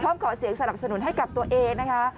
ขอเสียงสนับสนุนให้กับตัวเองนะคะ